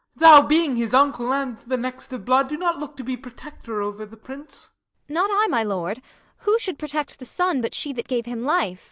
Y. Mor. You, being his uncle and the next of blood, Do look to be protector o'er the prince. Kent. Not I, my lord: who should protect the son, But she that gave him life?